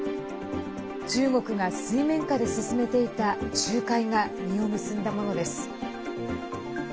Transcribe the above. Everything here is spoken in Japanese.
中国が水面下で進めていた仲介が実を結んだものです。